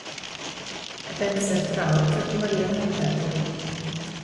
Ebenezer Prout morì a Canterbury.